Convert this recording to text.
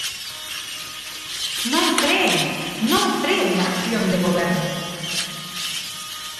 Non freen, non freen a acción de Goberno.